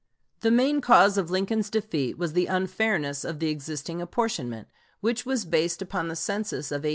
The main cause of Lincoln's defeat was the unfairness of the existing apportionment, which was based upon the census of 1850.